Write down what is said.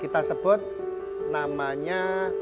kita sebut namanya